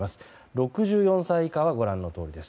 ６４歳以下はご覧のとおりです。